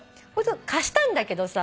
貸したんだけどさ